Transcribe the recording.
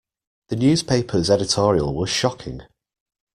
The newspaper's editorial was shocking.